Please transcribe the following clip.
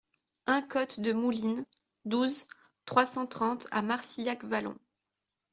un côte de Moulines, douze, trois cent trente à Marcillac-Vallon